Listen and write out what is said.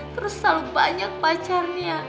terus selalu banyak pacarnya